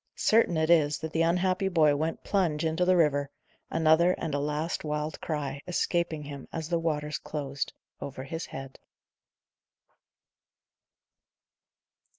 Certain it is, that the unhappy boy went plunge into the river, another and a last wild cry escaping him as the waters closed over his head.